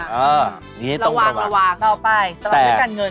อ่าอย่างนี้ต้องระวังระวังระวังเขาเอาไปสำหรับเรื่องการเงิน